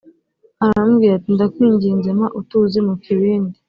aramubwira ati “Ndakwinginze mpa utuzi mu kibindi”